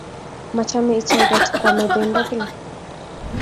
Machame icheket kwame pendo gila